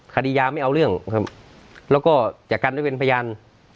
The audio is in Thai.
คดียาไม่เอาเรื่องครับแล้วก็จะกันได้เป็นพยาน